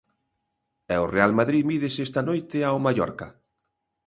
E o Real Madrid mídese esta noite ao Mallorca.